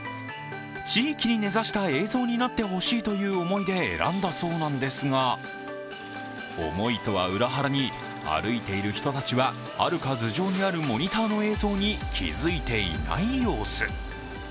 地域に根差した映像になってほしいという思いで選んだそうなんですが、思いとは裏腹に歩いている人たちははるか頭上にあるモニターの映像に気付いていない様子。